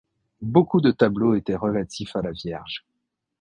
Beaucoup de tableaux étaient relatifs à la Vierge.